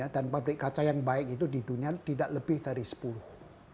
dan pabrik kaca yang baik itu di dunia tidak lebih dari sepuluh